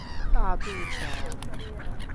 大度橋